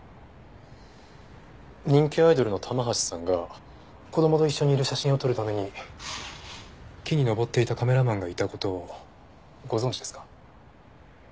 人気アイドルの玉橋さんが子供と一緒にいる写真を撮るために木に登っていたカメラマンがいた事をご存じですか？